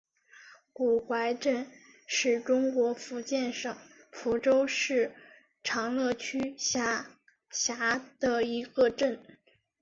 古槐镇是中国福建省福州市长乐区下辖的一个镇。